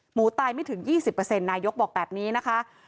ตายไม่ถึง๒๐นายกบอกแบบนี้นะคะ